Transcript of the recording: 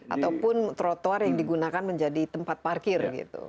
ataupun trotoar yang digunakan menjadi tempat parkir gitu